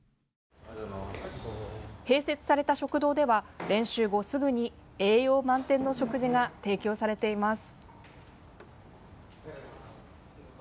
併設された食堂では練習後すぐに栄養満点の食事が提供されています。